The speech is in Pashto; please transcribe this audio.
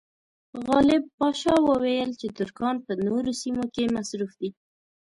غالب پاشا وویل چې ترکان په نورو سیمو کې مصروف دي.